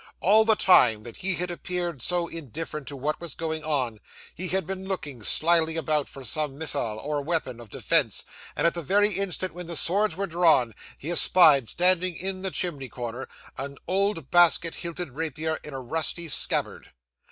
All the time that he had appeared so indifferent to what was going on, he had been looking slily about for some missile or weapon of defence, and at the very instant when the swords were drawn, he espied, standing in the chimney corner, an old basket hilted rapier in a rusty scabbard.